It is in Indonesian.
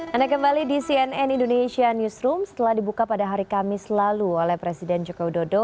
anda kembali di cnn indonesia newsroom setelah dibuka pada hari kamis lalu oleh presiden joko widodo